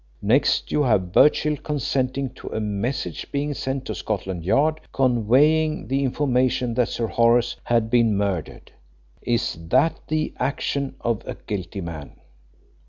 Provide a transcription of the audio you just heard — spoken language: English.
Next you have Birchill consenting to a message being sent to Scotland Yard conveying the information that Sir Horace had been murdered. Is that the action of a guilty man?